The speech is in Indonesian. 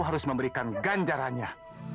aku harus memberikan ganjarannya